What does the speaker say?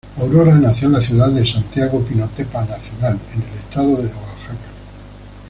Aurora nació en la ciudad de Santiago Pinotepa Nacional en el estado de Oaxaca.